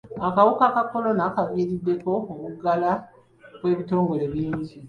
Akawuka ka kolona kaviiriddeko okuggalwa kw'ebitongole bingi.